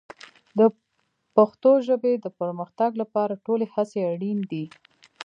د پښتو ژبې د پرمختګ لپاره ټولې هڅې اړین دي.